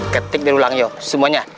ketik dari ulang yuk semuanya